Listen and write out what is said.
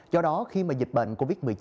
do đó khi mà dịch bệnh covid một mươi chín